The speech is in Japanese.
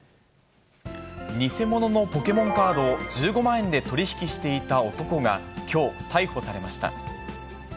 偽物のポケモンカードを１５万円で取り引きしていた男がきょう、逮捕されました。